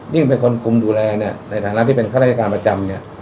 ยิ่งเป็นคนคุมดูแลเนี่ยในฐานะที่เป็นข้าราชการประจำเนี่ย